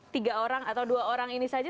tiga orang atau dua orang ini saja